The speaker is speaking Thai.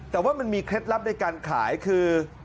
แต่ว่ามันมีเคล็ดลับในการขายคือ